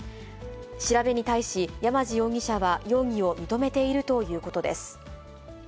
調べに対し、山地容疑者は容疑を認めているということです。